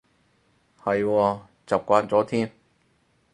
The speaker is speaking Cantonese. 係喎，習慣咗添